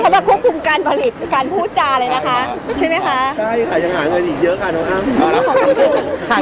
แล้วคุณเป็นพูดจานเลยนะคะ